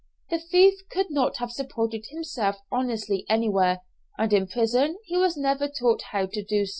The thief could not have supported himself honestly anywhere, and in prison he was never taught how to do so.